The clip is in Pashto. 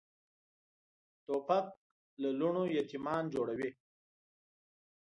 توپک له لوڼو یتیمان جوړوي.